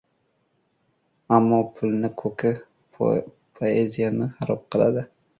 Ammo pulni ko‘ki poeziyani xarob qiladi.